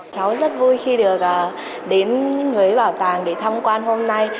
cháu rất vui khi được đến với bảo tàng để tham quan hôm nay